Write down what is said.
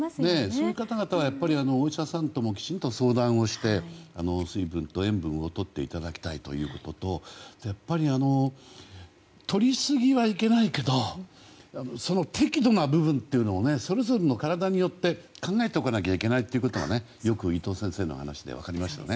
そういう方々はお医者さんときちんと相談して水分と塩分をとっていただきたいということととりすぎはいけないけど適度な部分というのをそれぞれの体によって考えておかないといけないことをよく伊藤先生の話で分かりましたね。